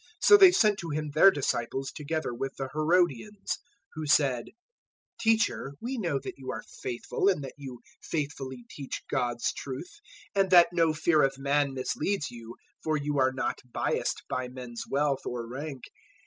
022:016 So they sent to Him their disciples together with the Herodians; who said, "Teacher, we know that you are truthful and that you faithfully teach God's truth; and that no fear of man misleads you, for you are not biased by men's wealth or rank.